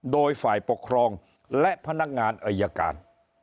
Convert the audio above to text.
โดยฝ่ายปกครองและพนักงานอายการ